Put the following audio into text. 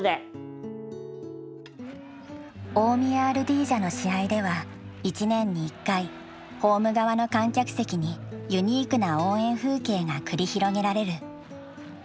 大宮アルディージャの試合では１年に１回ホーム側の観客席にユニークな応援風景が繰り広げられる。